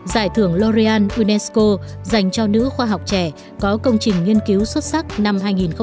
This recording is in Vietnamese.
giải thưởng larian unesco dành cho nữ khoa học trẻ có công trình nghiên cứu xuất sắc năm hai nghìn một mươi tám